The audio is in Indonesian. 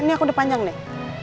ini aku udah panjang nih